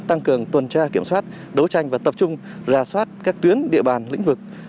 tăng cường tuần tra kiểm soát đấu tranh và tập trung ra soát các tuyến địa bàn lĩnh vực